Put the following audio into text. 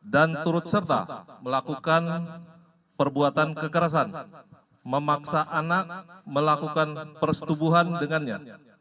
dan turut serta melakukan perbuatan kekerasan memaksa anak melakukan persetubuhan dengannya